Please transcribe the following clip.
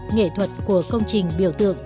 nghệ thuật của công trình biểu tượng